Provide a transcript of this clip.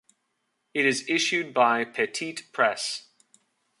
It is issued by Petit Press.